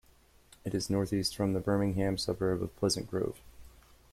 It is northeast from the Birmingham suburb of Pleasant Grove.